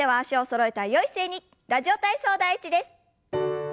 「ラジオ体操第１」です。